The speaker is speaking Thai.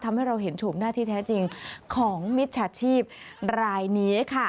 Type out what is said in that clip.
ทำให้เราเห็นโฉมหน้าที่แท้จริงของมิจฉาชีพรายนี้ค่ะ